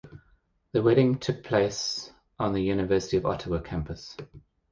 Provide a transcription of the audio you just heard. Their wedding took place on the University of Ottawa campus.